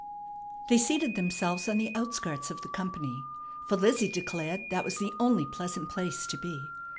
They seated themselves on the outskirts of the company, for Lizzie declared that was the only pleasant place to be.